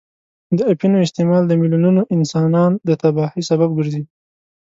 د اپینو استعمال د میلیونونو انسانان د تباهۍ سبب ګرځي.